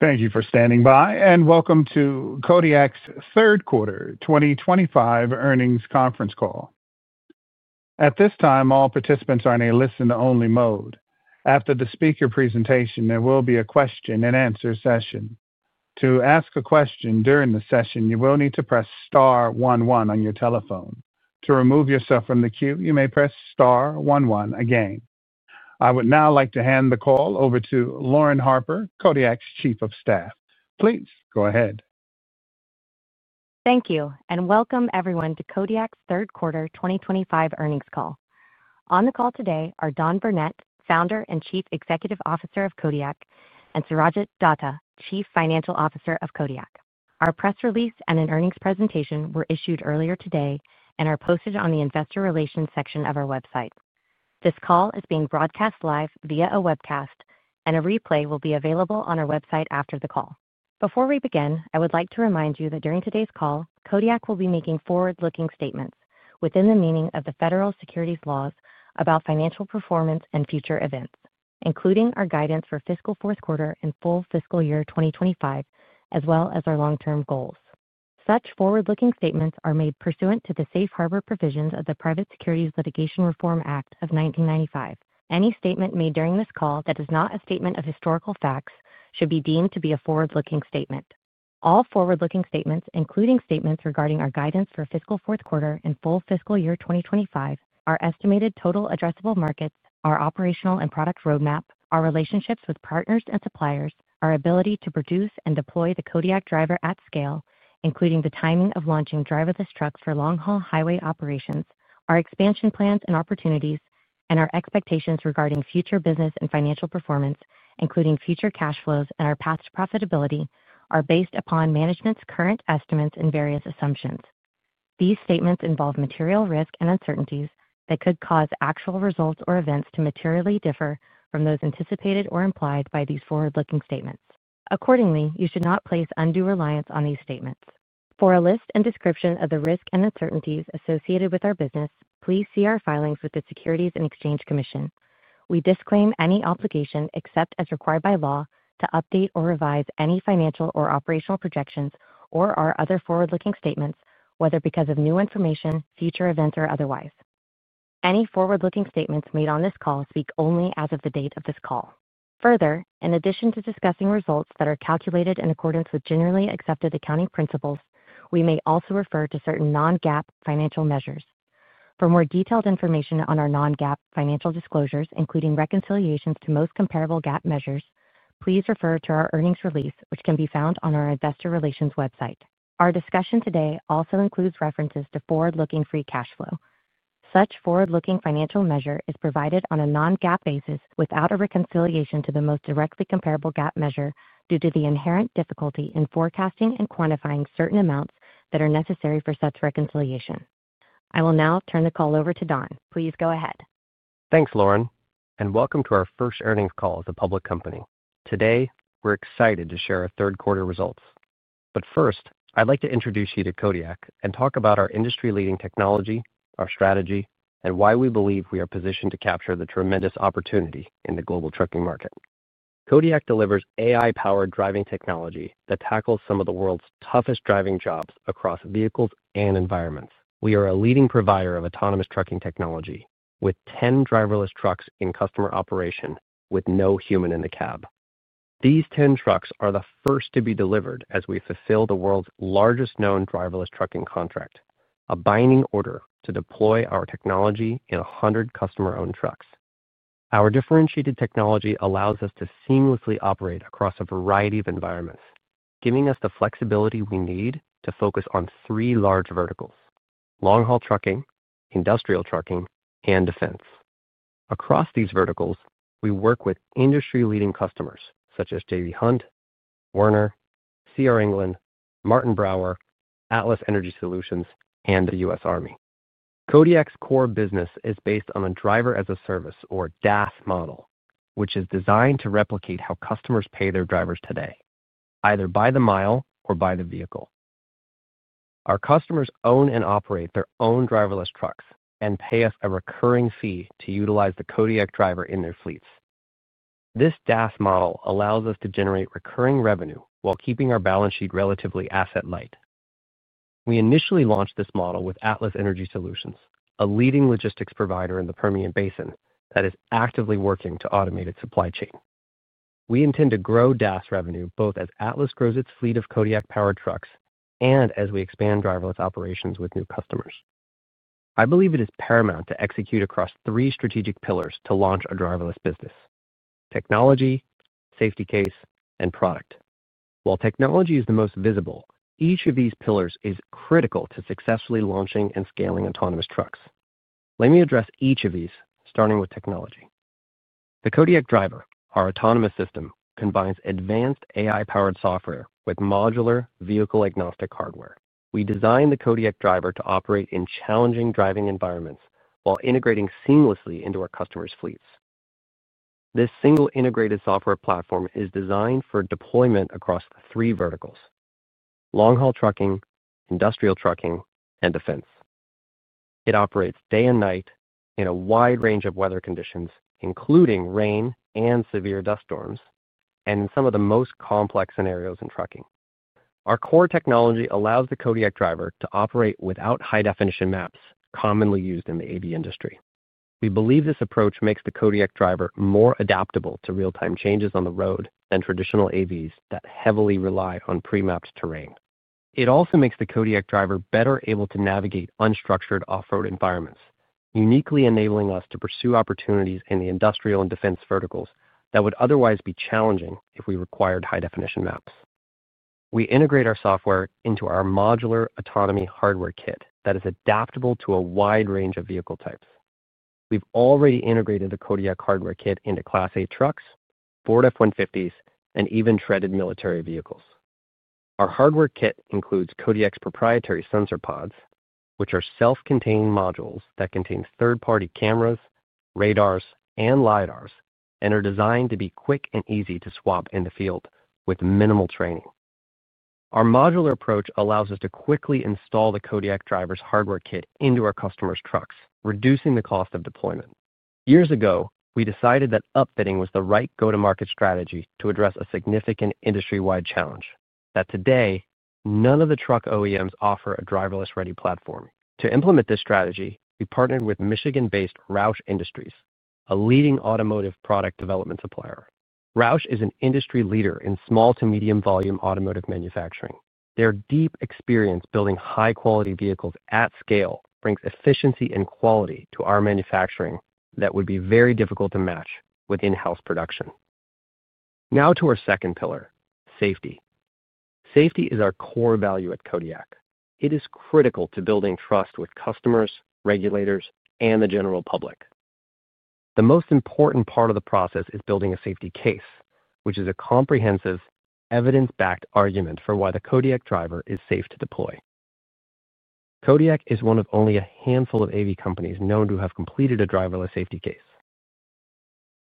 Thank you for standing by, and welcome to Kodiak's Third Quarter 2025 Earnings Conference Call. At this time, all participants are in a listen-only mode. After the speaker presentation, there will be a question-and-answer session. To ask a question during the session, you will need to press Star 11 on your telephone. To remove yourself from the queue, you may press Star 11 again. I would now like to hand the call over to Lauren Harper, Kodiak's Chief of Staff. Please go ahead. Thank you, and welcome everyone to Kodiak's Third Quarter 2025 Earnings Call. On the call today are Don Burnette, Founder and Chief Executive Officer of Kodiak, and Surajit Datta, Chief Financial Officer of Kodiak. Our press release and an earnings presentation were issued earlier today and are posted on the Investor Relations section of our website. This call is being broadcast live via a webcast, and a replay will be available on our website after the call. Before we begin, I would like to remind you that during today's call, Kodiak will be making forward-looking statements within the meaning of the federal securities laws about financial performance and future events, including our guidance for fiscal fourth quarter and full fiscal year 2025, as well as our long-term goals. Such forward-looking statements are made pursuant to the Safe Harbor Provisions of the Private Securities Litigation Reform Act of 1995. Any statement made during this call that is not a statement of historical facts should be deemed to be a forward-looking statement. All forward-looking statements, including statements regarding our guidance for fiscal fourth quarter and full fiscal year 2025, our estimated total addressable markets, our operational and product roadmap, our relationships with partners and suppliers, our ability to produce and deploy the Kodiak Driver at scale, including the timing of launching driverless trucks for long-haul highway operations, our expansion plans and opportunities, and our expectations regarding future business and financial performance, including future cash flows and our path to profitability, are based upon management's current estimates and various assumptions. These statements involve material risk and uncertainties that could cause actual results or events to materially differ from those anticipated or implied by these forward-looking statements. Accordingly, you should not place undue reliance on these statements. For a list and description of the risk and uncertainties associated with our business, please see our filings with the Securities and Exchange Commission. We disclaim any obligation except as required by law to update or revise any financial or operational projections or our other forward-looking statements, whether because of new information, future events, or otherwise. Any forward-looking statements made on this call speak only as of the date of this call. Further, in addition to discussing results that are calculated in accordance with generally accepted accounting principles, we may also refer to certain non-GAAP financial measures. For more detailed information on our non-GAAP financial disclosures, including reconciliations to most comparable GAAP measures, please refer to our earnings release, which can be found on our Investor Relations website. Our discussion today also includes references to forward-looking free cash flow. Such forward-looking financial measure is provided on a non-GAAP basis without a reconciliation to the most directly comparable GAAP measure due to the inherent difficulty in forecasting and quantifying certain amounts that are necessary for such reconciliation. I will now turn the call over to Don. Please go ahead. Thanks, Lauren, and welcome to our first earnings call as a public company. Today, we're excited to share our third quarter results. First, I'd like to introduce you to Kodiak and talk about our industry-leading technology, our strategy, and why we believe we are positioned to capture the tremendous opportunity in the global trucking market. Kodiak delivers AI-powered driving technology that tackles some of the world's toughest driving jobs across vehicles and environments. We are a leading provider of autonomous trucking technology with 10 driverless trucks in customer operation with no human in the cab. These 10 trucks are the first to be delivered as we fulfill the world's largest known driverless trucking contract, a binding order to deploy our technology in 100 customer-owned trucks. Our differentiated technology allows us to seamlessly operate across a variety of environments, giving us the flexibility we need to focus on three large verticals: long-haul trucking, industrial trucking, and defense. Across these verticals, we work with industry-leading customers such as J.B. Hunt, Werner, C.R. England, Martin Brower, Atlas Energy Solutions, and the U.S. Army. Kodiak's core business is based on the Driver as a Service, or DAS, model, which is designed to replicate how customers pay their drivers today, either by the mile or by the vehicle. Our customers own and operate their own driverless trucks and pay us a recurring fee to utilize the Kodiak Driver in their fleets. This DAS model allows us to generate recurring revenue while keeping our balance sheet relatively asset-light. We initially launched this model with Atlas Energy Solutions, a leading logistics provider in the Permian Basin that is actively working to automate its supply chain. We intend to grow DAS revenue both as Atlas grows its fleet of Kodiak-powered trucks and as we expand driverless operations with new customers. I believe it is paramount to execute across three strategic pillars to launch a driverless business: technology, safety case, and product. While technology is the most visible, each of these pillars is critical to successfully launching and scaling autonomous trucks. Let me address each of these, starting with technology. The Kodiak Driver, our autonomous system, combines advanced AI-powered software with modular vehicle-agnostic hardware. We designed the Kodiak Driver to operate in challenging driving environments while integrating seamlessly into our customers' fleets. This single integrated software platform is designed for deployment across three verticals: long-haul trucking, industrial trucking, and defense. It operates day and night in a wide range of weather conditions, including rain and severe dust storms, and in some of the most complex scenarios in trucking. Our core technology allows the Kodiak Driver to operate without high-definition maps commonly used in the AV industry. We believe this approach makes the Kodiak Driver more adaptable to real-time changes on the road than traditional AVs that heavily rely on pre-mapped terrain. It also makes the Kodiak Driver better able to navigate unstructured off-road environments, uniquely enabling us to pursue opportunities in the industrial and defense verticals that would otherwise be challenging if we required high-definition maps. We integrate our software into our modular autonomy hardware kit that is adaptable to a wide range of vehicle types. We've already integrated the Kodiak hardware kit into Class 8 trucks, Ford F-150s, and even treaded military vehicles. Our hardware kit includes Kodiak's proprietary sensor pods, which are self-contained modules that contain third-party cameras, radars, and lidars, and are designed to be quick and easy to swap in the field with minimal training. Our modular approach allows us to quickly install the Kodiak Driver's hardware kit into our customers' trucks, reducing the cost of deployment. Years ago, we decided that upfitting was the right go-to-market strategy to address a significant industry-wide challenge, that today none of the truck OEMs offer a driverless-ready platform. To implement this strategy, we partnered with Michigan-based Roush Industries, a leading automotive product development supplier. Roush is an industry leader in small to medium-volume automotive manufacturing. Their deep experience building high-quality vehicles at scale brings efficiency and quality to our manufacturing that would be very difficult to match with in-house production. Now to our second pillar: safety. Safety is our core value at Kodiak. It is critical to building trust with customers, regulators, and the general public. The most important part of the process is building a safety case, which is a comprehensive, evidence-backed argument for why the Kodiak Driver is safe to deploy. Kodiak is one of only a handful of AV companies known to have completed a driverless safety case.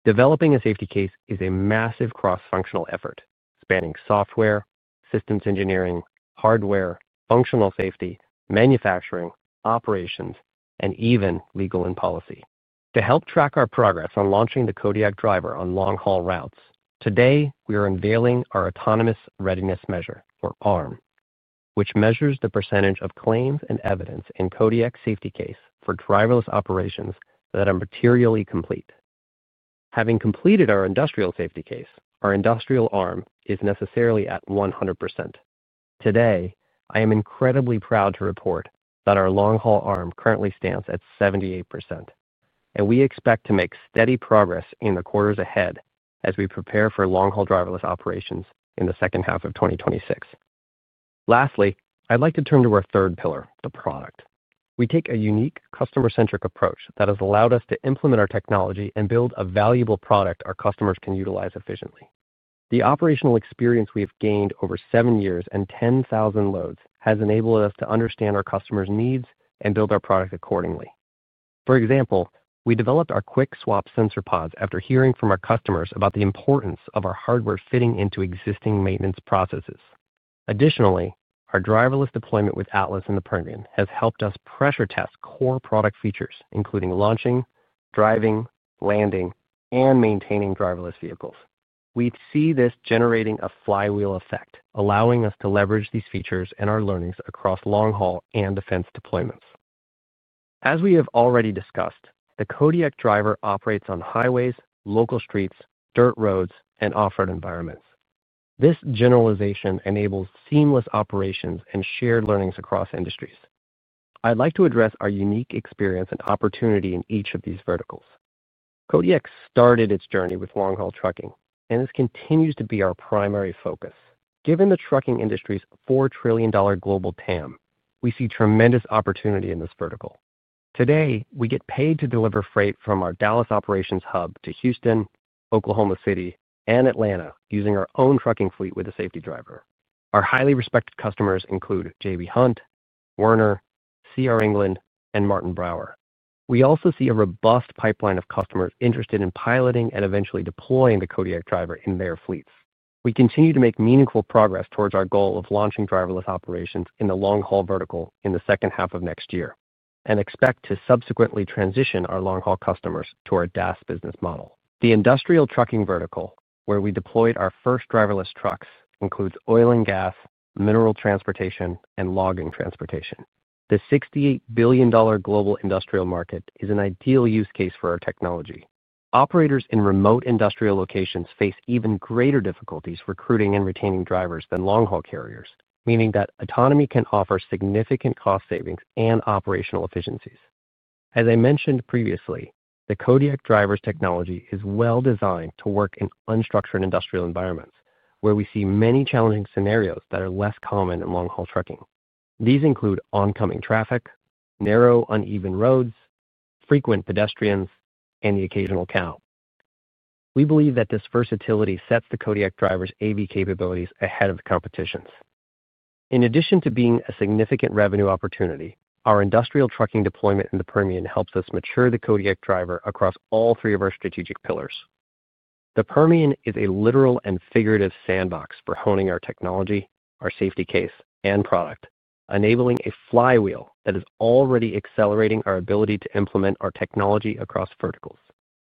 Developing a safety case is a massive cross-functional effort spanning software, systems engineering, hardware, functional safety, manufacturing, operations, and even legal and policy. To help track our progress on launching the Kodiak Driver on long-haul routes, today we are unveiling our autonomous readiness measure, or ARM, which measures the percentage of claims and evidence in Kodiak's safety case for driverless operations that are materially complete. Having completed our industrial safety case, our industrial ARM is necessarily at 100%. Today, I am incredibly proud to report that our long-haul ARM currently stands at 78%, and we expect to make steady progress in the quarters ahead as we prepare for long-haul driverless operations in the second half of 2026. Lastly, I'd like to turn to our third pillar, the product. We take a unique, customer-centric approach that has allowed us to implement our technology and build a valuable product our customers can utilize efficiently. The operational experience we have gained over seven years and 10,000 loads has enabled us to understand our customers' needs and build our product accordingly. For example, we developed our quick swap sensor pods after hearing from our customers about the importance of our hardware fitting into existing maintenance processes. Additionally, our driverless deployment with Atlas in the Permian has helped us pressure test core product features, including launching, driving, landing, and maintaining driverless vehicles. We see this generating a flywheel effect, allowing us to leverage these features and our learnings across long-haul and defense deployments. As we have already discussed, the Kodiak Driver operates on highways, local streets, dirt roads, and off-road environments. This generalization enables seamless operations and shared learnings across industries. I'd like to address our unique experience and opportunity in each of these verticals. Kodiak started its journey with long-haul trucking and this continues to be our primary focus. Given the trucking industry's $4 trillion global TAM, we see tremendous opportunity in this vertical. Today, we get paid to deliver freight from our Dallas operations hub to Houston, Oklahoma City, and Atlanta using our own trucking fleet with a safety driver. Our highly respected customers include J.B. Hunt, Werner, C.R. England, and Martin Brower. We also see a robust pipeline of customers interested in piloting and eventually deploying the Kodiak Driver in their fleets. We continue to make meaningful progress towards our goal of launching driverless operations in the long-haul vertical in the second half of next year and expect to subsequently transition our long-haul customers to our DAS business model. The industrial trucking vertical, where we deployed our first driverless trucks, includes oil and gas, mineral transportation, and logging transportation. The $68 billion global industrial market is an ideal use case for our technology. Operators in remote industrial locations face even greater difficulties recruiting and retaining drivers than long-haul carriers, meaning that autonomy can offer significant cost savings and operational efficiencies. As I mentioned previously, the Kodiak Driver's technology is well designed to work in unstructured industrial environments where we see many challenging scenarios that are less common in long-haul trucking. These include oncoming traffic, narrow uneven roads, frequent pedestrians, and the occasional cow. We believe that this versatility sets the Kodiak Driver's AV capabilities ahead of the competition's. In addition to being a significant revenue opportunity, our industrial trucking deployment in the Permian helps us mature the Kodiak Driver across all three of our strategic pillars. The Permian is a literal and figurative sandbox for honing our technology, our safety case, and product, enabling a flywheel that is already accelerating our ability to implement our technology across verticals.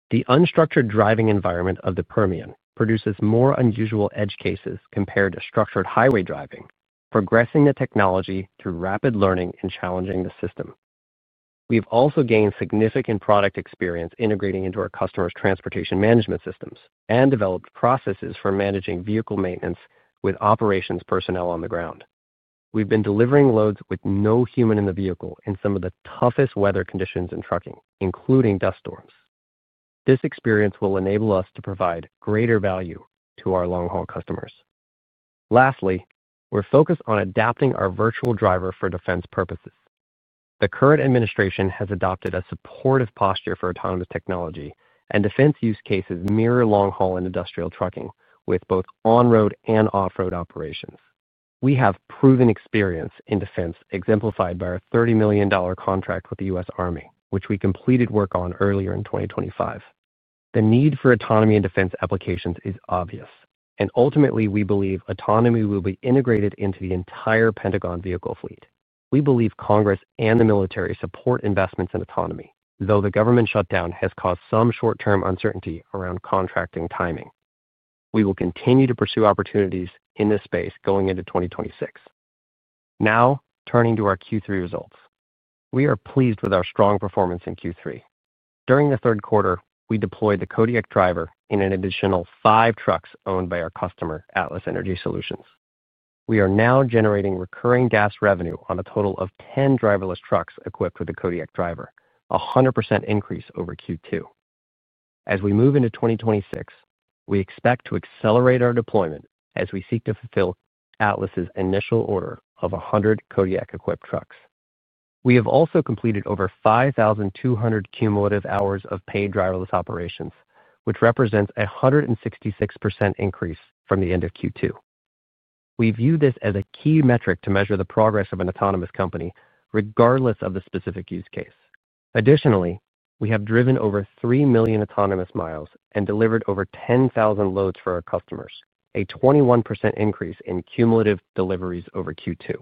The unstructured driving environment of the Permian produces more unusual edge cases compared to structured highway driving, progressing the technology through rapid learning and challenging the system. We have also gained significant product experience integrating into our customers' transportation management systems and developed processes for managing vehicle maintenance with operations personnel on the ground. We've been delivering loads with no human in the vehicle in some of the toughest weather conditions in trucking, including dust storms. This experience will enable us to provide greater value to our long-haul customers. Lastly, we're focused on adapting our virtual driver for defense purposes. The current administration has adopted a supportive posture for autonomous technology, and defense use cases mirror long-haul and industrial trucking with both on-road and off-road operations. We have proven experience in defense, exemplified by our $30 million contract with the U.S. Army, which we completed work on earlier in 2025. The need for autonomy in defense applications is obvious, and ultimately, we believe autonomy will be integrated into the entire Pentagon vehicle fleet. We believe Congress and the military support investments in autonomy, though the government shutdown has caused some short-term uncertainty around contracting timing. We will continue to pursue opportunities in this space going into 2026. Now, turning to our Q3 results, we are pleased with our strong performance in Q3. During the third quarter, we deployed the Kodiak Driver in an additional five trucks owned by our customer, Atlas Energy Solutions. We are now generating recurring gas revenue on a total of 10 driverless trucks equipped with the Kodiak Driver, a 100% increase over Q2. As we move into 2026, we expect to accelerate our deployment as we seek to fulfill Atlas's initial order of 100 Kodiak-equipped trucks. We have also completed over 5,200 cumulative hours of paid driverless operations, which represents a 166% increase from the end of Q2. We view this as a key metric to measure the progress of an autonomous company, regardless of the specific use case. Additionally, we have driven over three million autonomous miles and delivered over 10,000 loads for our customers, a 21% increase in cumulative deliveries over Q2.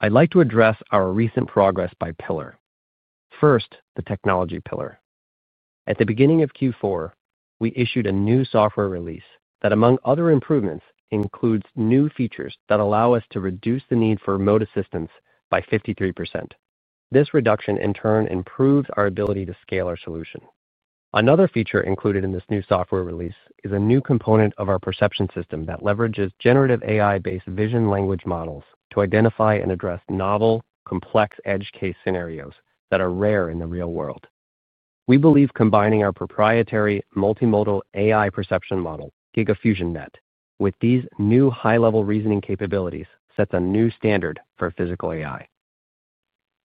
I'd like to address our recent progress by pillar. First, the technology pillar. At the beginning of Q4, we issued a new software release that, among other improvements, includes new features that allow us to reduce the need for remote assistance by 53%. This reduction, in turn, improves our ability to scale our solution. Another feature included in this new software release is a new component of our perception system that leverages generative AI-based vision language models to identify and address novel, complex edge case scenarios that are rare in the real world. We believe combining our proprietary multimodal AI perception model, GigaFusionNet, with these new high-level reasoning capabilities sets a new standard for physical AI.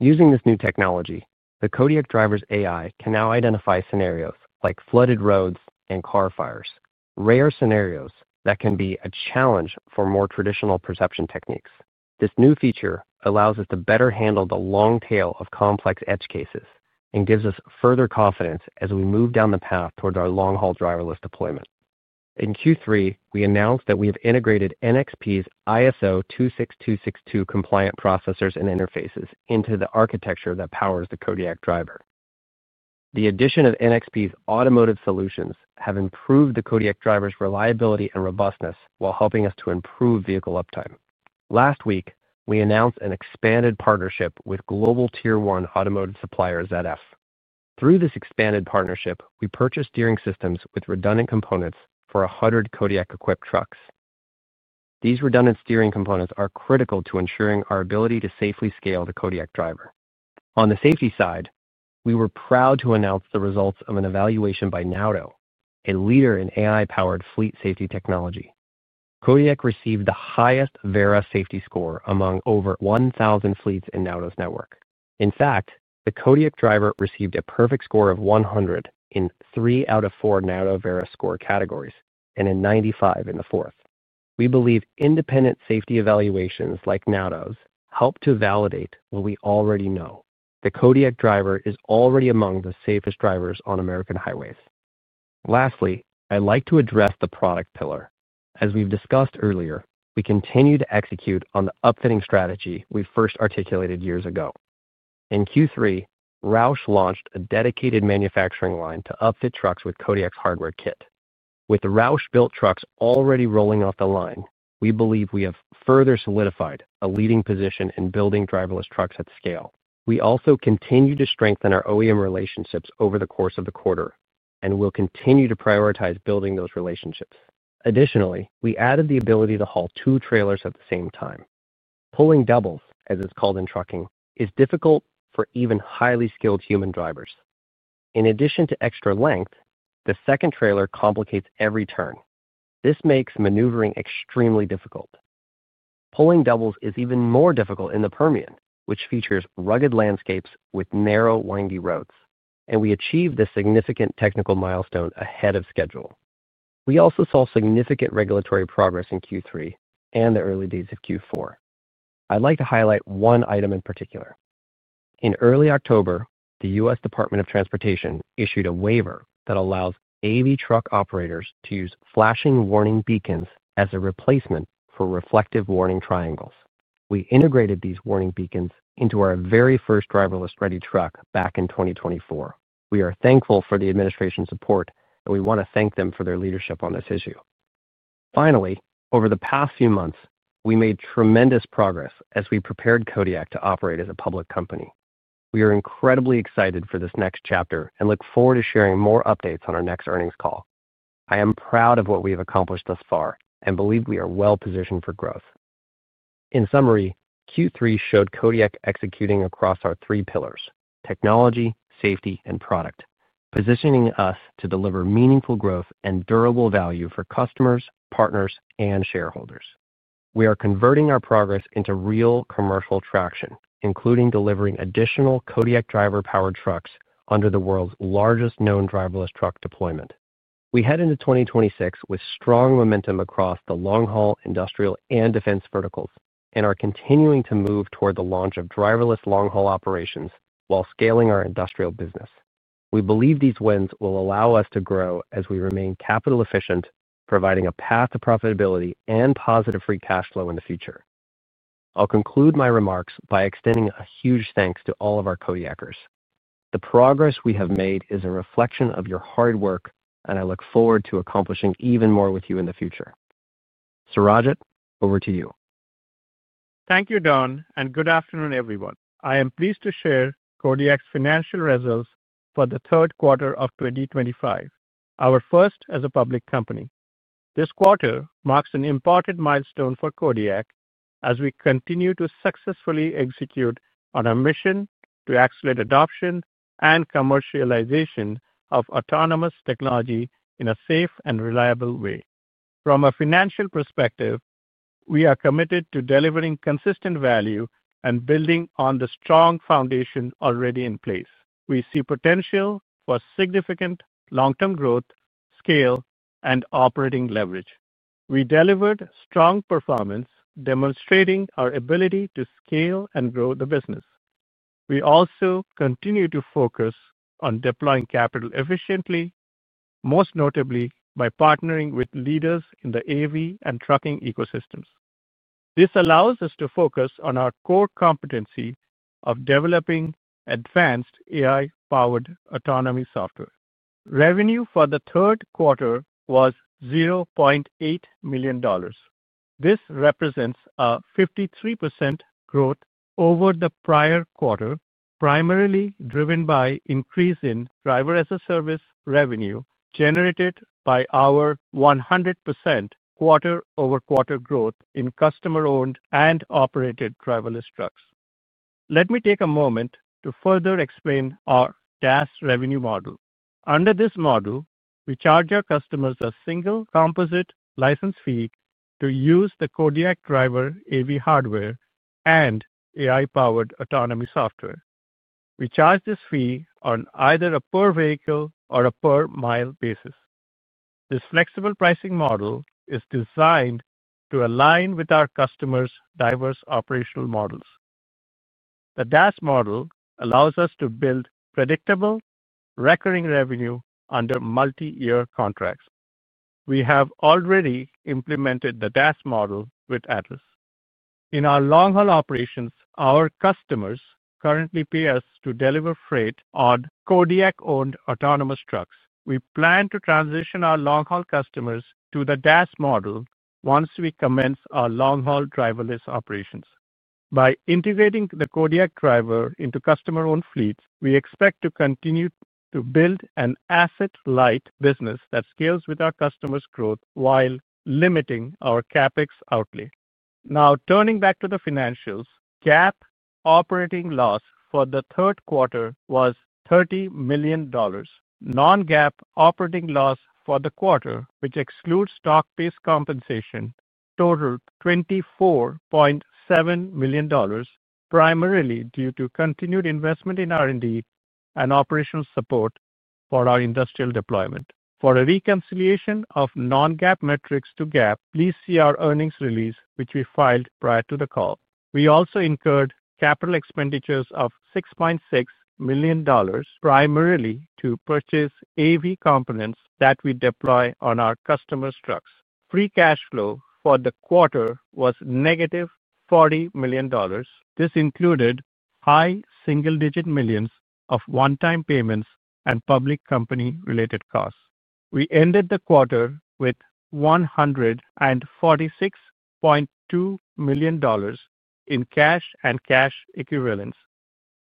Using this new technology, the Kodiak Driver's AI can now identify scenarios like flooded roads and car fires, rare scenarios that can be a challenge for more traditional perception techniques. This new feature allows us to better handle the long tail of complex edge cases and gives us further confidence as we move down the path toward our long-haul driverless deployment. In Q3, we announced that we have integrated NXP's ISO 26262 compliant processors and interfaces into the architecture that powers the Kodiak Driver. The addition of NXP's automotive solutions has improved the Kodiak Driver's reliability and robustness while helping us to improve vehicle uptime. Last week, we announced an expanded partnership with global tier-one automotive supplier ZF. Through this expanded partnership, we purchased steering systems with redundant components for 100 Kodiak-equipped trucks. These redundant steering components are critical to ensuring our ability to safely scale the Kodiak Driver. On the safety side, we were proud to announce the results of an evaluation by Nauto, a leader in AI-powered fleet safety technology. Kodiak received the highest VERA safety score among over 1,000 fleets in Nauto's network. In fact, the Kodiak Driver received a perfect score of 100 in three out of four Nauto VERA score categories and a 95 in the fourth. We believe independent safety evaluations like Nauto's help to validate what we already know. The Kodiak Driver is already among the safest drivers on American highways. Lastly, I'd like to address the product pillar. As we've discussed earlier, we continue to execute on the upfitting strategy we first articulated years ago. In Q3, Roush launched a dedicated manufacturing line to upfit trucks with Kodiak's hardware kit. With Roush-built trucks already rolling off the line, we believe we have further solidified a leading position in building driverless trucks at scale. We also continue to strengthen our OEM relationships over the course of the quarter and will continue to prioritize building those relationships. Additionally, we added the ability to haul two trailers at the same time. Pulling doubles, as it's called in trucking, is difficult for even highly skilled human drivers. In addition to extra length, the second trailer complicates every turn. This makes maneuvering extremely difficult. Pulling doubles is even more difficult in the Permian, which features rugged landscapes with narrow, windy roads, and we achieved this significant technical milestone ahead of schedule. We also saw significant regulatory progress in Q3 and the early days of Q4. I'd like to highlight one item in particular. In early October, the U.S. Department of Transportation issued a waiver that allows AV truck operators to use flashing warning beacons as a replacement for reflective warning triangles. We integrated these warning beacons into our very first driverless-ready truck back in 2024. We are thankful for the administration's support, and we want to thank them for their leadership on this issue. Finally, over the past few months, we made tremendous progress as we prepared Kodiak to operate as a public company. We are incredibly excited for this next chapter and look forward to sharing more updates on our next earnings call. I am proud of what we have accomplished thus far and believe we are well positioned for growth. In summary, Q3 showed Kodiak executing across our three pillars: technology, safety, and product, positioning us to deliver meaningful growth and durable value for customers, partners, and shareholders. We are converting our progress into real commercial traction, including delivering additional Kodiak Driver-powered trucks under the world's largest known driverless truck deployment. We head into 2026 with strong momentum across the long-haul industrial and defense verticals and are continuing to move toward the launch of driverless long-haul operations while scaling our industrial business. We believe these wins will allow us to grow as we remain capital efficient, providing a path to profitability and positive free cash flow in the future. I'll conclude my remarks by extending a huge thanks to all of our Kodiakers. The progress we have made is a reflection of your hard work, and I look forward to accomplishing even more with you in the future. Surajit, over to you. Thank you, Don, and good afternoon, everyone. I am pleased to share Kodiak's financial results for the third quarter of 2025, our first as a public company. This quarter marks an important milestone for Kodiak as we continue to successfully execute on our mission to accelerate adoption and commercialization of autonomous technology in a safe and reliable way. From a financial perspective, we are committed to delivering consistent value and building on the strong foundation already in place. We see potential for significant long-term growth, scale, and operating leverage. We delivered strong performance, demonstrating our ability to scale and grow the business. We also continue to focus on deploying capital efficiently, most notably by partnering with leaders in the AV and trucking ecosystems. This allows us to focus on our core competency of developing advanced AI-powered autonomy software. Revenue for the third quarter was $0.8 million. This represents a 53% growth over the prior quarter, primarily driven by an increase in driver-as-a-service revenue generated by our 100% quarter-over-quarter growth in customer-owned and operated driverless trucks. Let me take a moment to further explain our DAS revenue model. Under this model, we charge our customers a single composite license fee to use the Kodiak Driver AV hardware and AI-powered autonomy software. We charge this fee on either a per-vehicle or a per-mile basis. This flexible pricing model is designed to align with our customers' diverse operational models. The DAS model allows us to build predictable recurring revenue under multi-year contracts. We have already implemented the DAS model with Atlas. In our long-haul operations, our customers currently pay us to deliver freight on Kodiak-owned autonomous trucks. We plan to transition our long-haul customers to the DAS model once we commence our long-haul driverless operations. By integrating the Kodiak Driver into customer-owned fleets, we expect to continue to build an asset-light business that scales with our customers' growth while limiting our CapEx outlay. Now, turning back to the financials, GAAP operating loss for the third quarter was $30 million. Non-GAAP operating loss for the quarter, which excludes stock-based compensation, totaled $24.7 million, primarily due to continued investment in R&D and operational support for our industrial deployment. For a reconciliation of non-GAAP metrics to GAAP, please see our earnings release, which we filed prior to the call. We also incurred capital expenditures of $6.6 million, primarily to purchase AV components that we deploy on our customers' trucks. Free cash flow for the quarter was negative $40 million. This included high single-digit millions of one-time payments and public company-related costs. We ended the quarter with $146.2 million in cash and cash equivalents,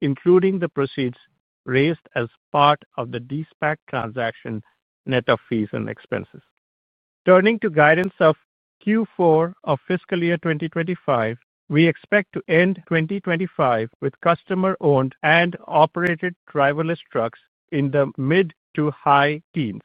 including the proceeds raised as part of the DSPAC transaction net of fees and expenses. Turning to guidance of Q4 of fiscal year 2025, we expect to end 2025 with customer-owned and operated driverless trucks in the mid to high teens.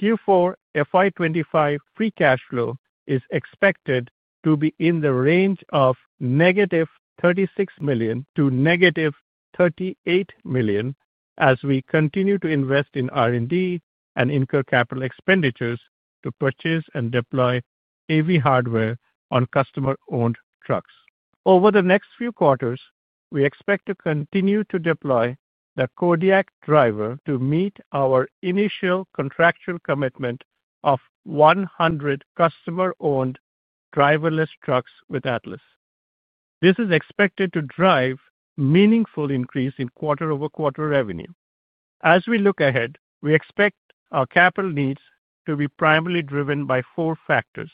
Q4 FY25 free cash flow is expected to be in the range of negative $36 million-negative $38 million as we continue to invest in R&D and incur capital expenditures to purchase and deploy AV hardware on customer-owned trucks. Over the next few quarters, we expect to continue to deploy the Kodiak Driver to meet our initial contractual commitment of 100 customer-owned driverless trucks with Atlas. This is expected to drive a meaningful increase in quarter-over-quarter revenue. As we look ahead, we expect our capital needs to be primarily driven by four factors: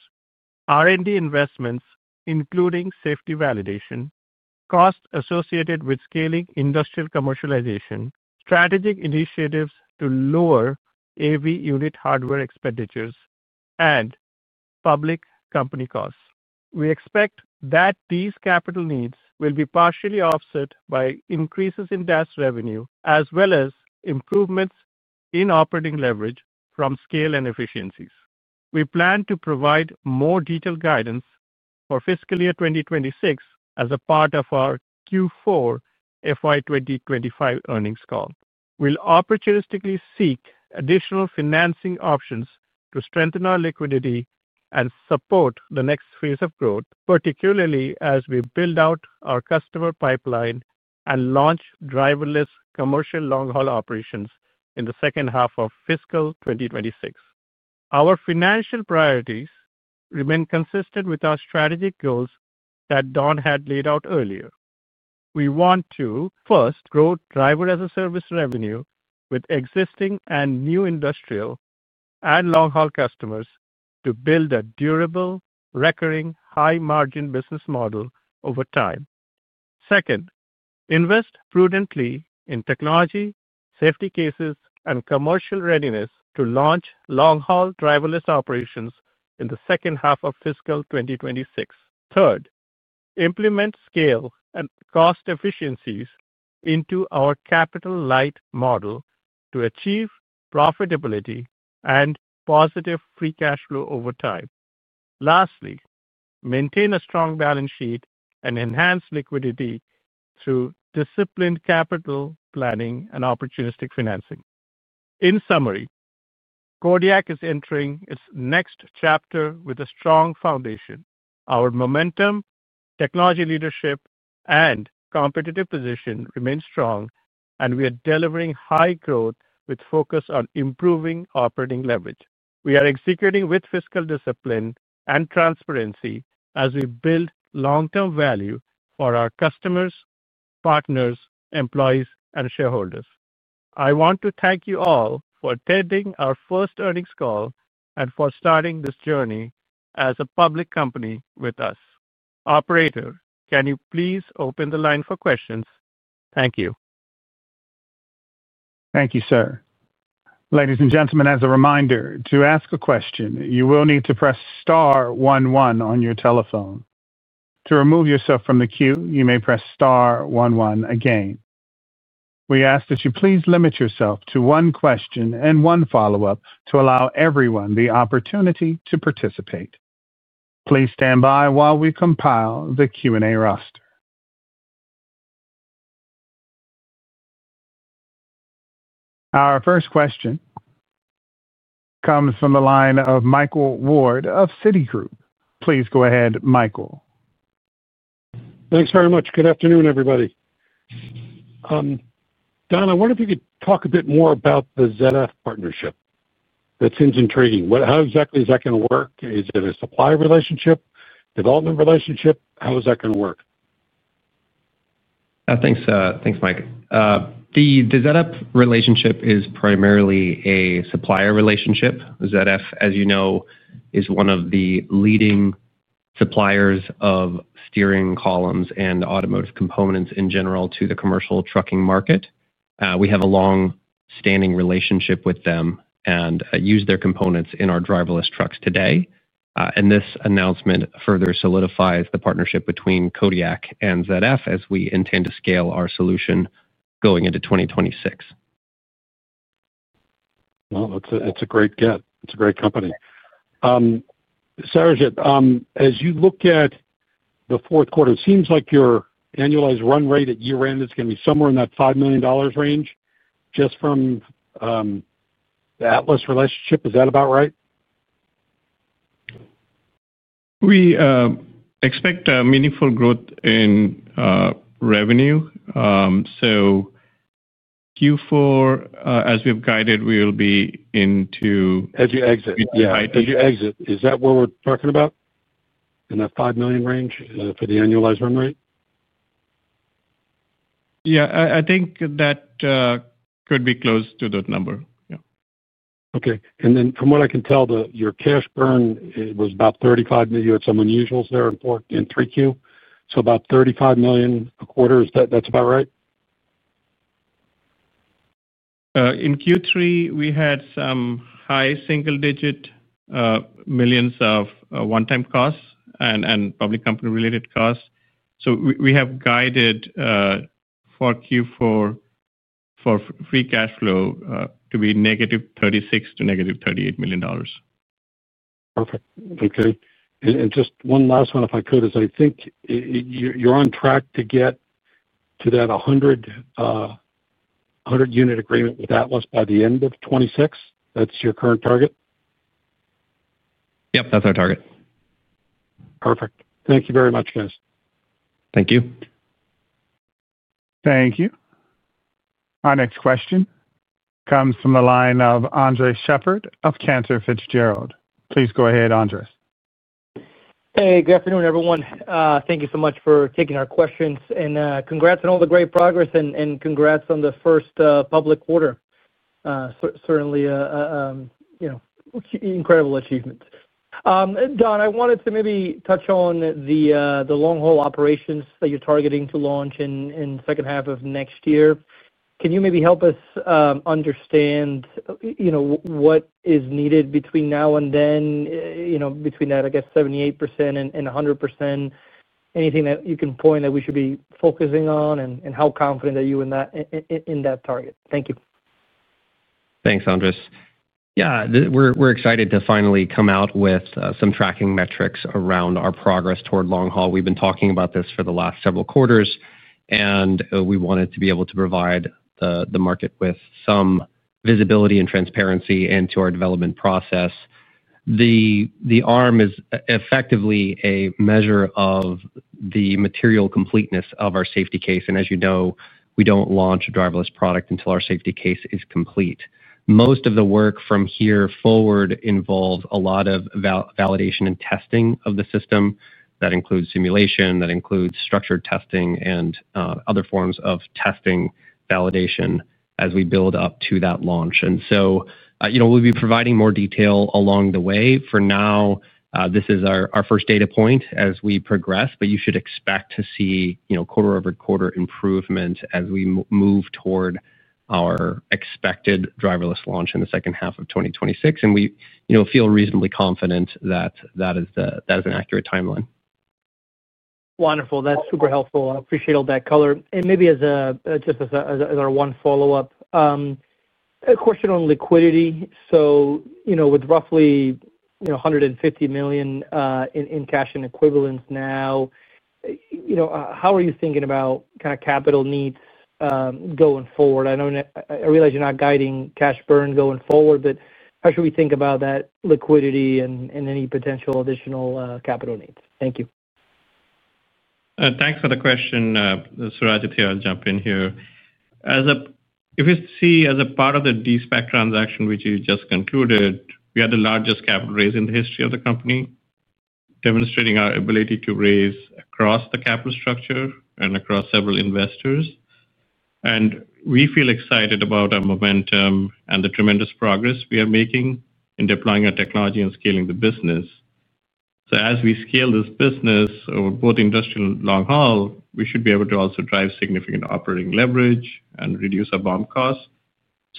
R&D investments, including safety validation; costs associated with scaling industrial commercialization; strategic initiatives to lower AV unit hardware expenditures; and public company costs. We expect that these capital needs will be partially offset by increases in DAS revenue, as well as improvements in operating leverage from scale and efficiencies. We plan to provide more detailed guidance for fiscal year 2026 as a part of our Q4 FY2025 earnings call. We'll opportunistically seek additional financing options to strengthen our liquidity and support the next phase of growth, particularly as we build out our customer pipeline and launch driverless commercial long-haul operations in the second half of fiscal 2026. Our financial priorities remain consistent with our strategic goals that Don had laid out earlier. We want to, first, grow driver-as-a-service revenue with existing and new industrial and long-haul customers to build a durable, recurring, high-margin business model over time. Second, invest prudently in technology, safety cases, and commercial readiness to launch long-haul driverless operations in the second half of fiscal 2026. Third, implement scale and cost efficiencies into our capital-light model to achieve profitability and positive free cash flow over time. Lastly, maintain a strong balance sheet and enhance liquidity through disciplined capital planning and opportunistic financing. In summary, Kodiak is entering its next chapter with a strong foundation. Our momentum, technology leadership, and competitive position remain strong, and we are delivering high growth with focus on improving operating leverage. We are executing with fiscal discipline and transparency as we build long-term value for our customers, partners, employees, and shareholders. I want to thank you all for attending our first earnings call and for starting this journey as a public company with us. Operator, can you please open the line for questions? Thank you. Thank you, sir. Ladies and gentlemen, as a reminder, to ask a question, you will need to press Star 11 on your telephone. To remove yourself from the queue, you may press Star 11 again. We ask that you please limit yourself to one question and one follow-up to allow everyone the opportunity to participate. Please stand by while we compile the Q&A roster. Our first question comes from the line of Michael Ward of Citigroup. Please go ahead, Michael. Thanks very much. Good afternoon, everybody. Don, I wonder if you could talk a bit more about the ZF partnership. That seems intriguing. How exactly is that going to work? Is it a supplier relationship, development relationship? How is that going to work? Thanks, Mike. The ZF relationship is primarily a supplier relationship. ZF, as you know, is one of the leading suppliers of steering columns and automotive components in general to the commercial trucking market. We have a long-standing relationship with them and use their components in our driverless trucks today. This announcement further solidifies the partnership between Kodiak and ZF as we intend to scale our solution going into 2026. It's a great get. It's a great company. Surajit, as you look at the fourth quarter, it seems like your annualized run rate at year-end is going to be somewhere in that $5 million range just from the Atlas relationship. Is that about right? We expect meaningful growth in revenue. Q4, as we've guided, we'll be into. As you exit. Yeah. As you exit. Is that what we're talking about? In that $5 million range for the annualized run rate? Yeah. I think that could be close to that number. Yeah. Okay. And then from what I can tell, your cash burn was about $35 million. You had some unusuals there in Q4, in Q3. So about $35 million a quarter. Is that about right? In Q3, we had some high single-digit millions of one-time costs and public company-related costs. We have guided for Q4 for free cash flow to be negative $36 million to negative $38 million. Perfect. Okay. And just one last one, if I could, is I think you're on track to get to that 100-unit agreement with Atlas by the end of 2026. That's your current target? Yep. That's our target. Perfect. Thank you very much, guys. Thank you. Thank you. Our next question comes from the line of Andres Sheppard of Cantor Fitzgerald. Please go ahead, Andres. Hey, good afternoon, everyone. Thank you so much for taking our questions. And congrats on all the great progress and congrats on the first public quarter. Certainly, incredible achievement. Don, I wanted to maybe touch on the long-haul operations that you're targeting to launch in the second half of next year. Can you maybe help us understand what is needed between now and then, between that, I guess, 78% and 100%? Anything that you can point that we should be focusing on and how confident are you in that target? Thank you. Thanks, Andre. Yeah. We're excited to finally come out with some tracking metrics around our progress toward long-haul. We've been talking about this for the last several quarters, and we wanted to be able to provide the market with some visibility and transparency into our development process. The ARM is effectively a measure of the material completeness of our safety case. And as you know, we don't launch a driverless product until our safety case is complete. Most of the work from here forward involves a lot of validation and testing of the system. That includes simulation. That includes structured testing and other forms of testing validation as we build up to that launch. We'll be providing more detail along the way. For now, this is our first data point as we progress, but you should expect to see quarter-over-quarter improvements as we move toward our expected driverless launch in the second half of 2026. We feel reasonably confident that that is an accurate timeline. Wonderful. That's super helpful. I appreciate all that color. Maybe just as our one follow-up, a question on liquidity. With roughly $150 million in cash and equivalents now, how are you thinking about kind of capital needs going forward? I realize you're not guiding cash burn going forward, but how should we think about that liquidity and any potential additional capital needs? Thank you. Thanks for the question. Surajit, here, I'll jump in here. If you see as a part of the SPAC transaction, which you just concluded, we are the largest capital raise in the history of the company, demonstrating our ability to raise across the capital structure and across several investors. We feel excited about our momentum and the tremendous progress we are making in deploying our technology and scaling the business. As we scale this business over both industrial and long-haul, we should be able to also drive significant operating leverage and reduce our BOM costs.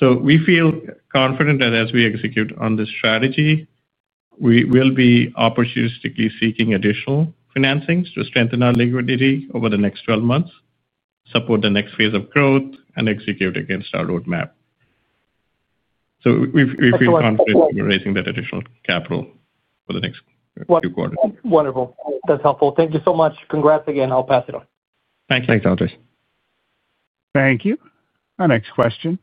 We feel confident that as we execute on this strategy, we will be opportunistically seeking additional financings to strengthen our liquidity over the next 12 months, support the next phase of growth, and execute against our roadmap. We feel confident in raising that additional capital for the next few quarters. Wonderful. That's helpful. Thank you so much. Congrats again. I'll pass it on. Thank you. Thanks, Andres. Thank you. Our next question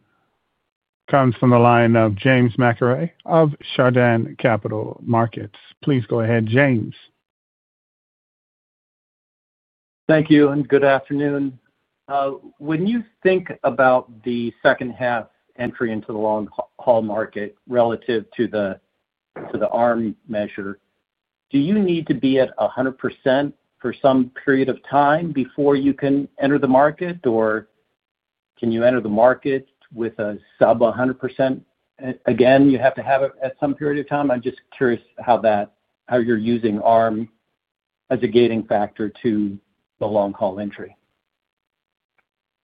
comes from the line of James McIlree of Chardan Capital Markets. Please go ahead, James. Thank you and good afternoon. When you think about the second half entry into the long-haul market relative to the ARM measure, do you need to be at 100% for some period of time before you can enter the market, or can you enter the market with a sub-100%? Again, you have to have it at some period of time. I'm just curious how you're using ARM as a gating factor to the long-haul entry.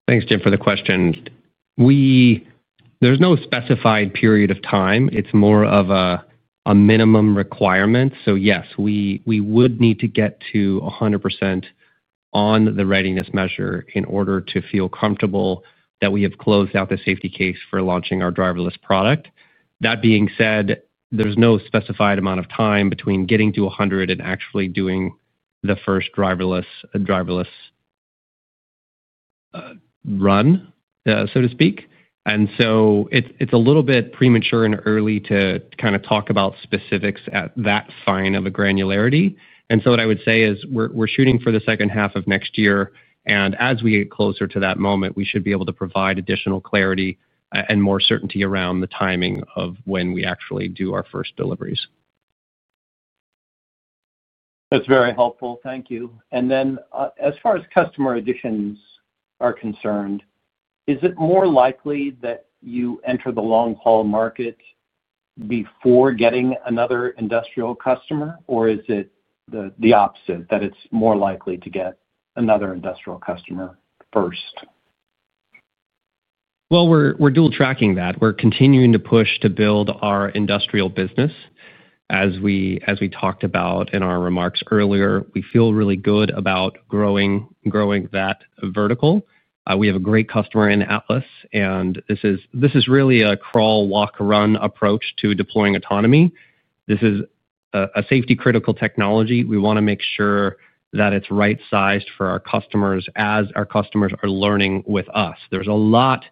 Thanks, James, for the question. There's no specified period of time. It's more of a minimum requirement. So yes, we would need to get to 100% on the readiness measure in order to feel comfortable that we have closed out the safety case for launching our driverless product. That being said, there's no specified amount of time between getting to 100 and actually doing the first driverless run, so to speak. It is a little bit premature and early to kind of talk about specifics at that fine of a granularity. What I would say is we're shooting for the second half of next year. As we get closer to that moment, we should be able to provide additional clarity and more certainty around the timing of when we actually do our first deliveries. That's very helpful. Thank you. As far as customer additions are concerned, is it more likely that you enter the long-haul market before getting another industrial customer, or is it the opposite, that it's more likely to get another industrial customer first? We're dual-tracking that. We're continuing to push to build our industrial business. As we talked about in our remarks earlier, we feel really good about growing that vertical. We have a great customer in Atlas, and this is really a crawl, walk, run approach to deploying autonomy. This is a safety-critical technology. We want to make sure that it's right-sized for our customers as our customers are learning with us. There's a lot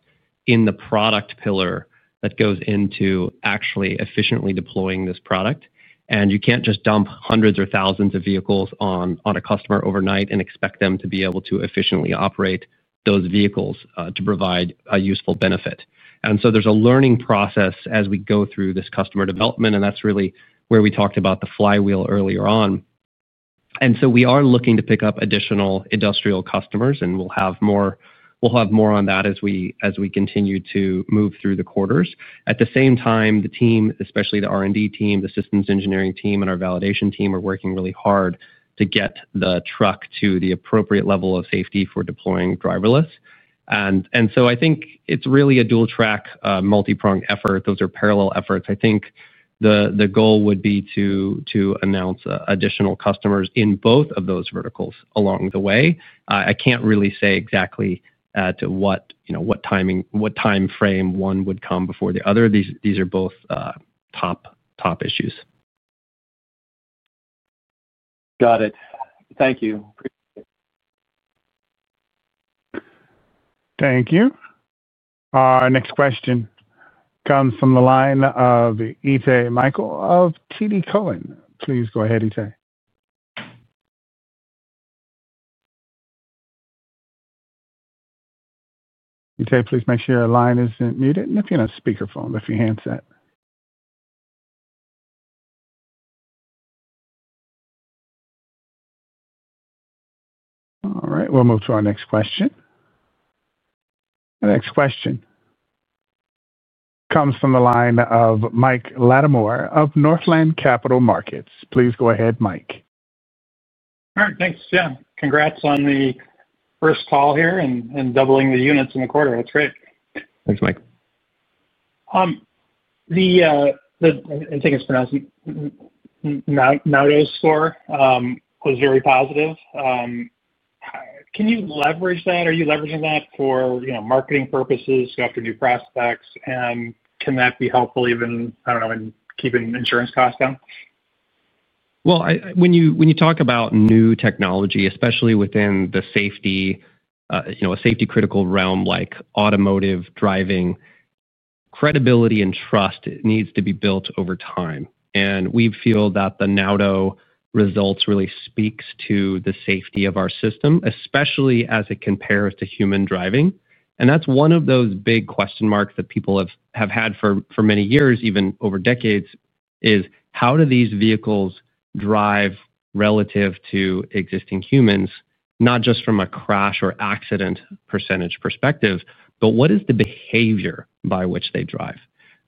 in the product pillar that goes into actually efficiently deploying this product. You can't just dump hundreds or thousands of vehicles on a customer overnight and expect them to be able to efficiently operate those vehicles to provide a useful benefit. There is a learning process as we go through this customer development, and that's really where we talked about the flywheel earlier on. We are looking to pick up additional industrial customers, and we'll have more on that as we continue to move through the quarters. At the same time, the team, especially the R&D team, the systems engineering team, and our validation team are working really hard to get the truck to the appropriate level of safety for deploying driverless. I think it's really a dual-track, multi-pronged effort. Those are parallel efforts. I think the goal would be to announce additional customers in both of those verticals along the way. I can't really say exactly what time frame one would come before the other. These are both top issues. Got it. Thank you. Appreciate it. Thank you. Our next question comes from the line of Itay Michaeli of TD Cowen. Please go ahead, Itay. Itay, please make sure your line isn't muted. And if you're on speakerphone, if you're handset. All right. We'll move to our next question. Our next question comes from the line of Mike Latimore of Northland Capital Markets. Please go ahead, Mike. All right. Thanks, Jim. Congrats on the first call here and doubling the units in the quarter. That's great. Thanks, Mike. I think it's pronounced Nauto score. It was very positive. Can you leverage that? Are you leveraging that for marketing purposes, go after new prospects? Can that be helpful even, I do not know, in keeping insurance costs down? When you talk about new technology, especially within a safety-critical realm like automotive driving, credibility and trust need to be built over time. We feel that the Nauto results really speak to the safety of our system, especially as it compares to human driving. That is one of those big question marks that people have had for many years, even over decades, is how do these vehicles drive relative to existing humans, not just from a crash or accident % perspective, but what is the behavior by which they drive?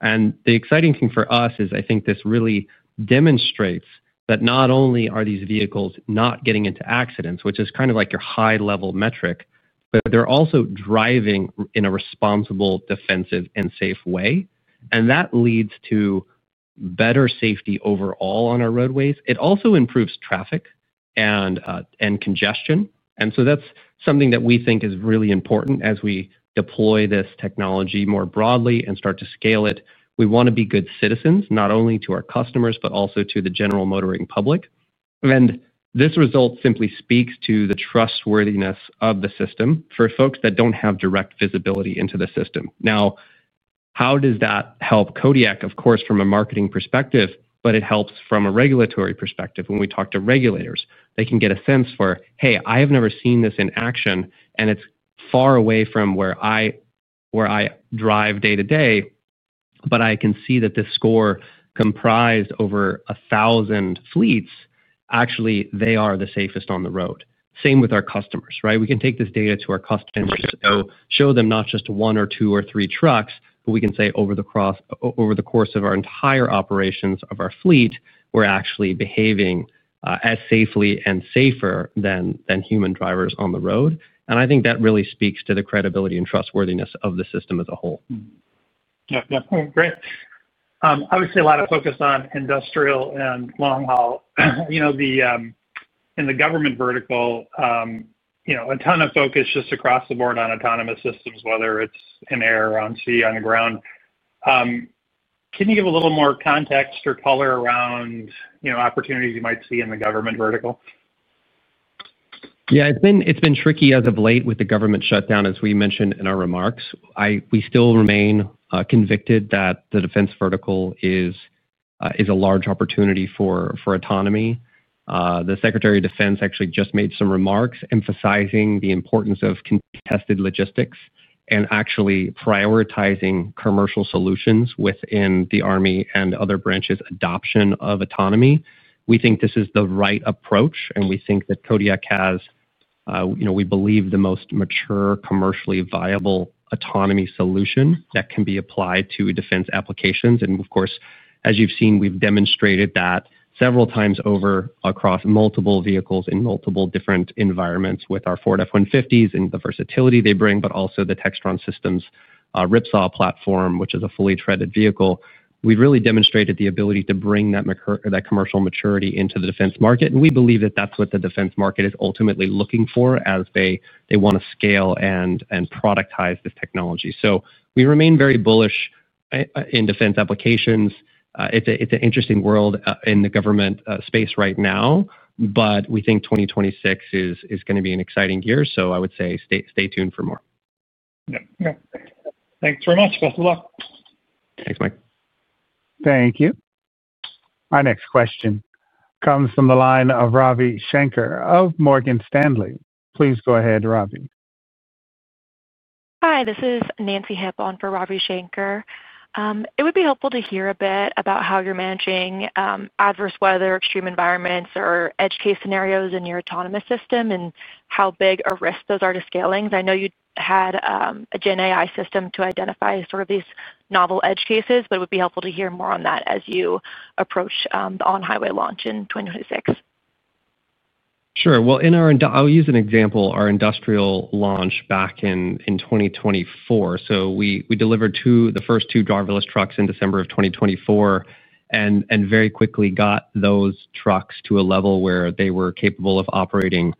The exciting thing for us is I think this really demonstrates that not only are these vehicles not getting into accidents, which is kind of like your high-level metric, but they are also driving in a responsible, defensive, and safe way. That leads to better safety overall on our roadways. It also improves traffic and congestion. That is something that we think is really important as we deploy this technology more broadly and start to scale it. We want to be good citizens, not only to our customers, but also to the general motoring public. This result simply speaks to the trustworthiness of the system for folks that do not have direct visibility into the system. Now, how does that help? Kodiak, of course, from a marketing perspective, but it helps from a regulatory perspective. When we talk to regulators, they can get a sense for, "Hey, I have never seen this in action, and it is far away from where I drive day-to-day, but I can see that this score comprised over 1,000 fleets, actually, they are the safest on the road." Same with our customers, right? We can take this data to our customers and show them not just one or two or three trucks, but we can say over the course of our entire operations of our fleet, we are actually behaving as safely and safer than human drivers on the road. I think that really speaks to the credibility and trustworthiness of the system as a whole. Yeah. Yeah. Great. Obviously, a lot of focus on industrial and long-haul. In the government vertical, a ton of focus just across the board on autonomous systems, whether it's in air, on sea, on the ground. Can you give a little more context or color around opportunities you might see in the government vertical? Yeah. It's been tricky as of late with the government shutdown, as we mentioned in our remarks. We still remain convicted that the defense vertical is a large opportunity for autonomy. The Secretary of Defense actually just made some remarks emphasizing the importance of contested logistics and actually prioritizing commercial solutions within the Army and other branches' adoption of autonomy. We think this is the right approach, and we think that Kodiak has—we believe the most mature, commercially viable autonomy solution that can be applied to defense applications. As you have seen, we have demonstrated that several times over across multiple vehicles in multiple different environments with our Ford F-150 and the versatility they bring, but also the Textron Systems RIPSAW platform, which is a fully treaded vehicle. We have really demonstrated the ability to bring that commercial maturity into the defense market. We believe that is what the defense market is ultimately looking for as they want to scale and productize this technology. We remain very bullish in defense applications. It is an interesting world in the government space right now, but we think 2026 is going to be an exciting year. I would say stay tuned for more. Yeah. Yeah. Thanks very much. Best of luck. Thanks, Mike. Thank you. Our next question comes from the line of Ravi Shankar of Morgan Stanley. Please go ahead, Ravi. Hi. This is Nancy Hepburn for Ravi Shankar. It would be helpful to hear a bit about how you're managing adverse weather, extreme environments, or edge case scenarios in your autonomous system and how big a risk those are to scaling. I know you had a GenAI system to identify sort of these novel edge cases, but it would be helpful to hear more on that as you approach the on-highway launch in 2026. Sure. I'll use an example. Our industrial launch back in 2024. We delivered the first two driverless trucks in December of 2024 and very quickly got those trucks to a level where they were capable of operating,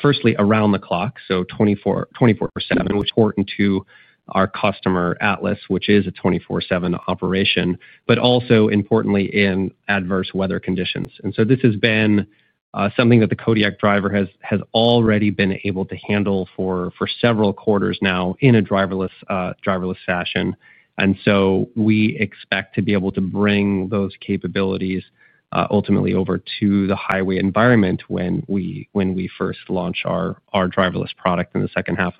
firstly, around the clock, so 24/7, which is important to our customer Atlas, which is a 24/7 operation, but also importantly in adverse weather conditions. This has been something that the Kodiak Driver has already been able to handle for several quarters now in a driverless fashion. We expect to be able to bring those capabilities ultimately over to the highway environment when we first launch our driverless product in the second half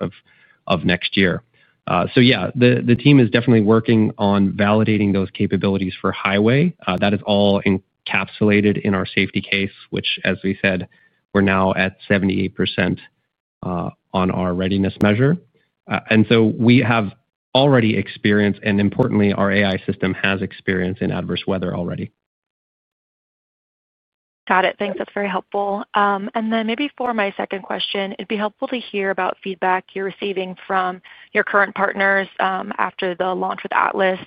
of next year. Yeah, the team is definitely working on validating those capabilities for highway. That is all encapsulated in our safety case, which, as we said, we're now at 78% on our readiness measure. We have already experienced, and importantly, our AI system has experience in adverse weather already. Got it. Thanks. That's very helpful. For my second question, it'd be helpful to hear about feedback you're receiving from your current partners after the launch with Atlas.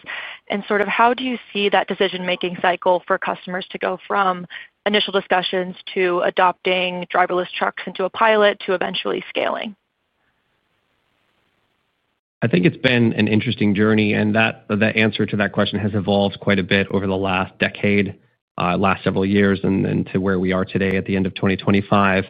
How do you see that decision-making cycle for customers to go from initial discussions to adopting driverless trucks into a pilot to eventually scaling? I think it's been an interesting journey, and the answer to that question has evolved quite a bit over the last decade, last several years, and to where we are today at the end of 2025.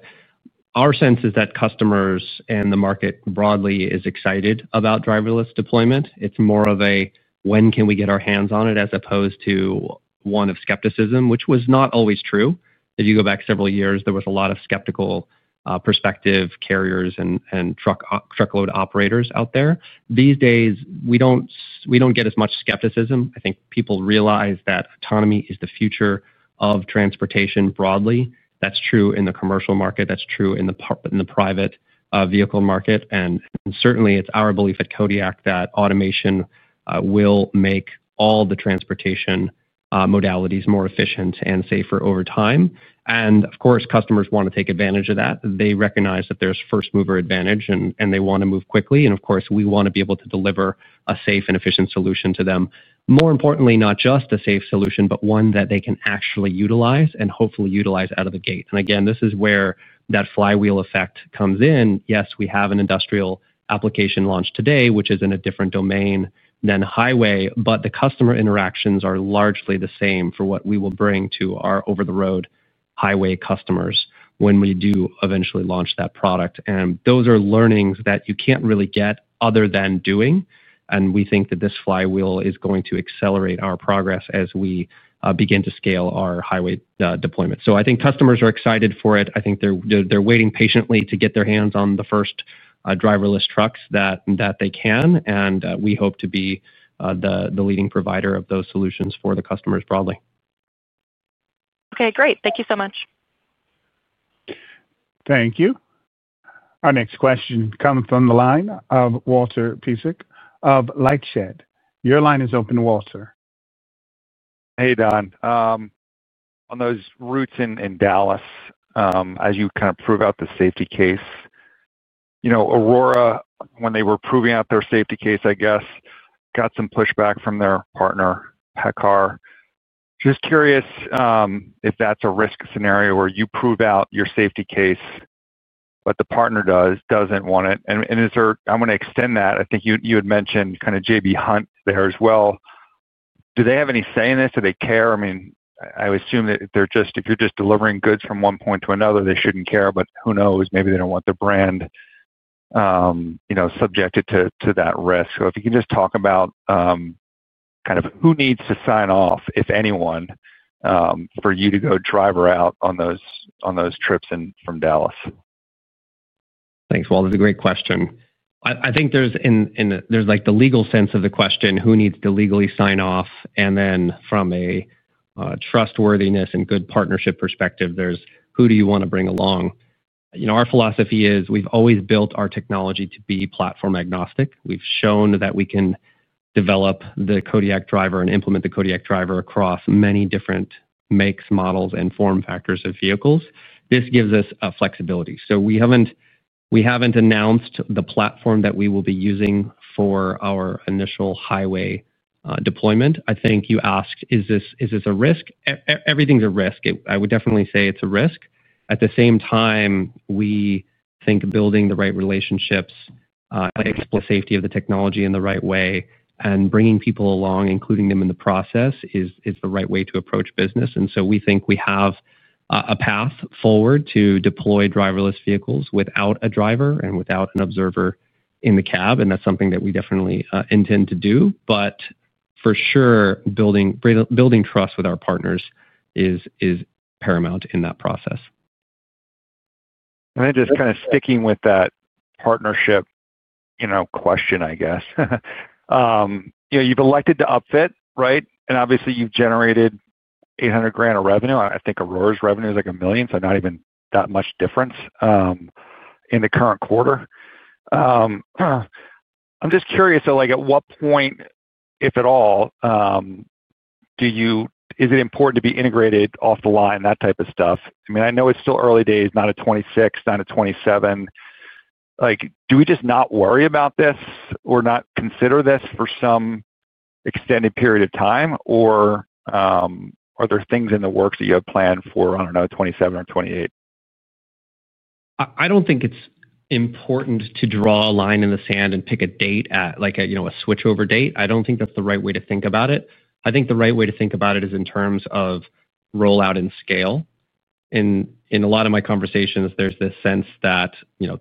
Our sense is that customers and the market broadly is excited about driverless deployment. It's more of a, "When can we get our hands on it?" as opposed to one of skepticism, which was not always true. If you go back several years, there was a lot of skeptical perspective carriers and truckload operators out there. These days, we do not get as much skepticism. I think people realize that autonomy is the future of transportation broadly. That is true in the commercial market. That is true in the private vehicle market. Certainly, it is our belief at Kodiak that automation will make all the transportation modalities more efficient and safer over time. Of course, customers want to take advantage of that. They recognize that there is first-mover advantage, and they want to move quickly. Of course, we want to be able to deliver a safe and efficient solution to them. More importantly, not just a safe solution, but one that they can actually utilize and hopefully utilize out of the gate. Again, this is where that flywheel effect comes in. Yes, we have an industrial application launched today, which is in a different domain than highway, but the customer interactions are largely the same for what we will bring to our over-the-road highway customers when we do eventually launch that product. Those are learnings that you can't really get other than doing. We think that this flywheel is going to accelerate our progress as we begin to scale our highway deployment. I think customers are excited for it. I think they're waiting patiently to get their hands on the first driverless trucks that they can. We hope to be the leading provider of those solutions for the customers broadly. Okay. Great. Thank you so much. Thank you. Our next question comes from the line of Walter Piecyk of LightShed. Your line is open, Walter. Hey, Don. On those routes in Dallas, as you kind of prove out the safety case, Aurora, when they were proving out their safety case, I guess, got some pushback from their partner, PACCAR. Just curious if that's a risk scenario where you prove out your safety case, but the partner doesn't want it. I want to extend that. I think you had mentioned kind of J.B. Hunt there as well. Do they have any say in this? Do they care? I mean, I assume that if you're just delivering goods from one point to another, they shouldn't care, but who knows? Maybe they don't want their brand subjected to that risk. If you can just talk about kind of who needs to sign off, if anyone, for you to go driver out on those trips from Dallas. Thanks, Walter. That's a great question. I think there's the legal sense of the question, who needs to legally sign off? And then from a trustworthiness and good partnership perspective, there's who do you want to bring along? Our philosophy is we've always built our technology to be platform agnostic. We've shown that we can develop the Kodiak Driver and implement the Kodiak Driver across many different makes, models, and form factors of vehicles. This gives us flexibility. We haven't announced the platform that we will be using for our initial highway deployment. I think you asked, is this a risk? Everything's a risk. I would definitely say it's a risk. At the same time, we think building the right relationships, safety of the technology in the right way, and bringing people along, including them in the process, is the right way to approach business. We think we have a path forward to deploy driverless vehicles without a driver and without an observer in the cab. That is something that we definitely intend to do. For sure, building trust with our partners is paramount in that process. Just kind of sticking with that partnership question, I guess. You've elected to upfit, right? Obviously, you've generated $800,000 of revenue. I think Aurora's revenue is like $1 million, so not even that much difference in the current quarter. I'm just curious, at what point, if at all, is it important to be integrated off the line, that type of stuff? I mean, I know it's still early days, not a 2026, not a 2027. Do we just not worry about this or not consider this for some extended period of time, or are there things in the works that you have planned for, I do not know, 2027 or 2028? I do not think it is important to draw a line in the sand and pick a date, like a switchover date. I do not think that is the right way to think about it. I think the right way to think about it is in terms of rollout and scale. In a lot of my conversations, there is this sense that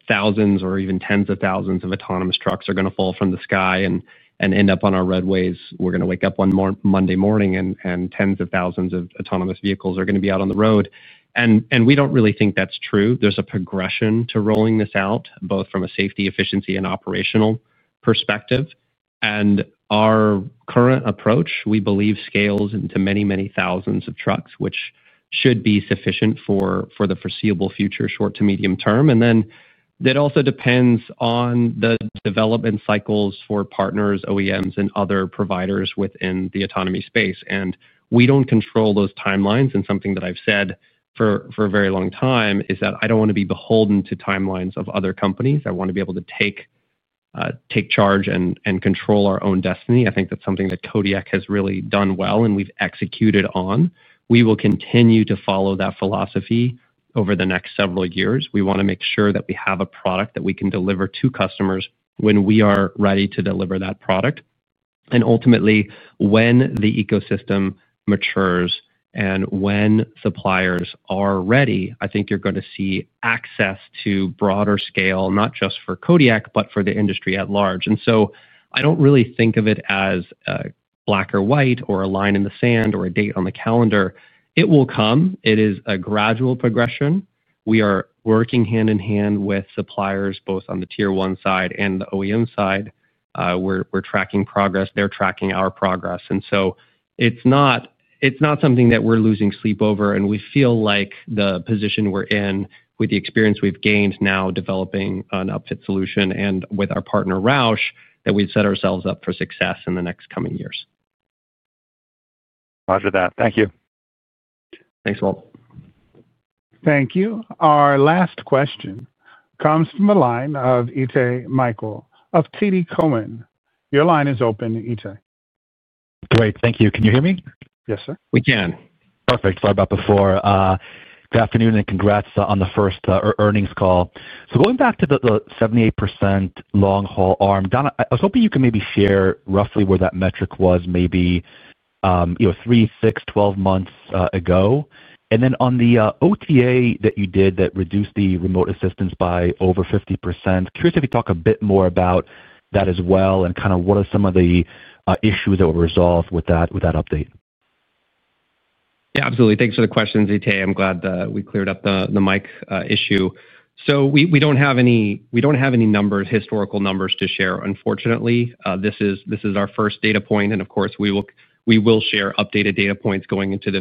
thousands or even tens of thousands of autonomous trucks are going to fall from the sky and end up on our roadways. We are going to wake up one Monday morning, and tens of thousands of autonomous vehicles are going to be out on the road. We do not really think that is true. is a progression to rolling this out, both from a safety, efficiency, and operational perspective. In our current approach, we believe, scales into many, many thousands of trucks, which should be sufficient for the foreseeable future, short to medium term. It also depends on the development cycles for partners, OEMs, and other providers within the autonomy space. We do not control those timelines. Something that I have said for a very long time is that I do not want to be beholden to timelines of other companies. I want to be able to take charge and control our own destiny. I think that is something that Kodiak has really done well and we have executed on. We will continue to follow that philosophy over the next several years. We want to make sure that we have a product that we can deliver to customers when we are ready to deliver that product. Ultimately, when the ecosystem matures and when suppliers are ready, I think you're going to see access to broader scale, not just for Kodiak, but for the industry at large. I do not really think of it as black or white or a line in the sand or a date on the calendar. It will come. It is a gradual progression. We are working hand in hand with suppliers, both on the tier one side and the OEM side. We're tracking progress. They're tracking our progress. It is not something that we're losing sleep over. We feel like the position we're in, with the experience we've gained now developing an upfit solution and with our partner, Roush, that we've set ourselves up for success in the next coming years. Roger that. Thank you. Thanks, Walter. Thank you. Our last question comes from the line of Itay Michaeli of TD Cowen. Your line is open, Itay. Great. Thank you. Can you hear me? Yes, sir. We can. Perfect. Sorry about the floor. Good afternoon and congrats on the first earnings call. Going back to the 78% long-haul ARM, Don, I was hoping you could maybe share roughly where that metric was maybe three, six, 12 months ago. On the OTA that you did that reduced the remote assistance by over 50%, curious if you could talk a bit more about that as well and kind of what are some of the issues that were resolved with that update. Yeah, absolutely. Thanks for the questions, Itay. I'm glad we cleared up the mic issue. We do not have any numbers, historical numbers to share. Unfortunately, this is our first data point. Of course, we will share updated data points going into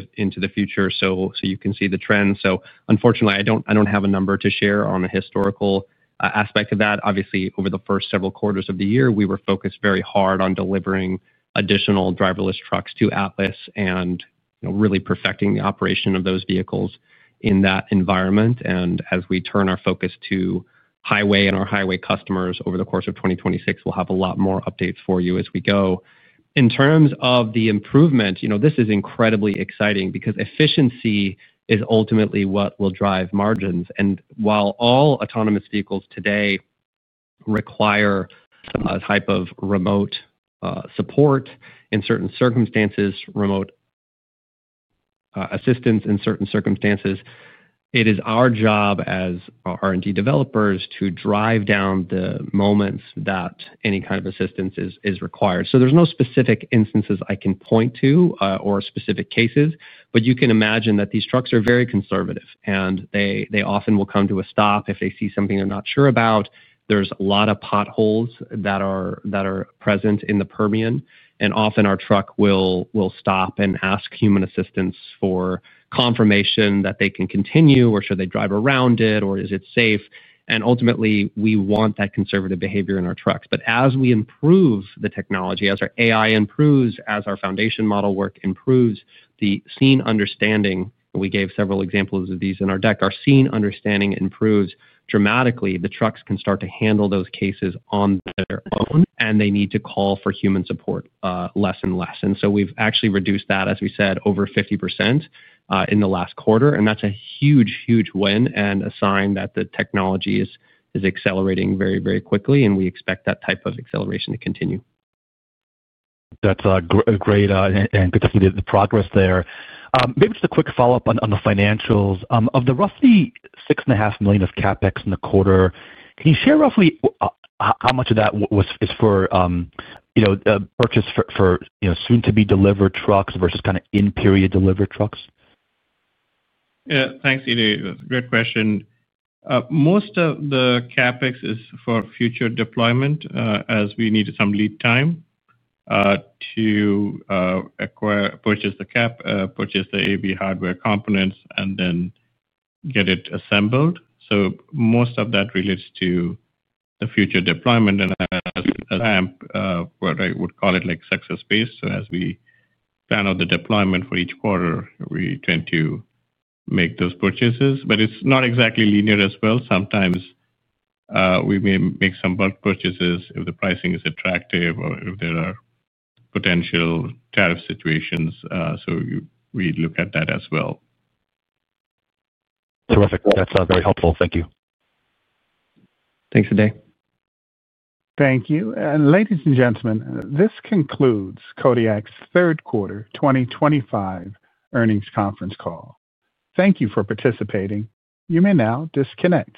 the future so you can see the trends. Unfortunately, I do not have a number to share on the historical aspect of that. Obviously, over the first several quarters of the year, we were focused very hard on delivering additional driverless trucks to Atlas and really perfecting the operation of those vehicles in that environment. As we turn our focus to highway and our highway customers over the course of 2026, we'll have a lot more updates for you as we go. In terms of the improvement, this is incredibly exciting because efficiency is ultimately what will drive margins. While all autonomous vehicles today require a type of remote support in certain circumstances, remote assistance in certain circumstances, it is our job as R&D developers to drive down the moments that any kind of assistance is required. There are no specific instances I can point to or specific cases, but you can imagine that these trucks are very conservative, and they often will come to a stop if they see something they're not sure about. are a lot of potholes that are present in the Permian, and often our truck will stop and ask human assistance for confirmation that they can continue or should they drive around it or is it safe. Ultimately, we want that conservative behavior in our trucks. As we improve the technology, as our AI improves, as our foundation model work improves, the scene understanding—and we gave several examples of these in our deck—our scene understanding improves dramatically. The trucks can start to handle those cases on their own, and they need to call for human support less and less. We have actually reduced that, as we said, over 50% in the last quarter. That is a huge, huge win and a sign that the technology is accelerating very, very quickly, and we expect that type of acceleration to continue. That's great and good to see the progress there. Maybe just a quick follow-up on the financials. Of the roughly $6.5 million of CapEx in the quarter, can you share roughly how much of that is for purchase for soon-to-be-delivered trucks versus kind of in-period delivered trucks? Yeah. Thanks, Itay. Great question. Most of the CapEx is for future deployment as we need some lead time to purchase the AV hardware components and then get it assembled. Most of that relates to the future deployment. As ramp, I would call it like success-based. As we plan out the deployment for each quarter, we tend to make those purchases. It's not exactly linear as well. Sometimes we may make some bulk purchases if the pricing is attractive or if there are potential tariff situations. We look at that as well. Terrific. That's very helpful. Thank you. Thanks, Itay. Thank you. Ladies and gentlemen, this concludes Kodiak's third quarter 2025 earnings conference call. Thank you for participating. You may now disconnect.